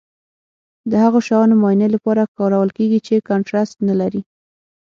د هغو شیانو معاینې لپاره کارول کیږي چې کانټراسټ نه لري.